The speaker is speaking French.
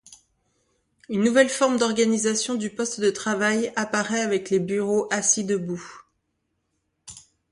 Une nouvelle forme d’organisation du poste de travail apparaît avec les bureaux assis-debout.